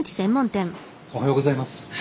おはようございます。